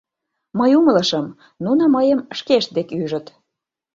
Мый умылышым: нуно мыйым шкешт дек ӱжыт.